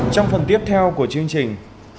trong phần tiếp theo của chương trình